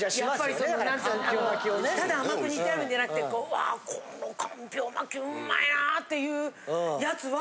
ただ甘く煮てあるんじゃなくてこううわこのかんぴょう巻きうまいなっていうやつは。